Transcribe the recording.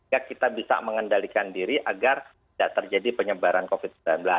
ya kita bisa mengendalikan diri agar tidak terjadi penyebaran covid sembilan belas